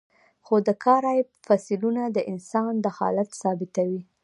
خو د کارایب فسیلونه د انسان دخالت ثابتوي.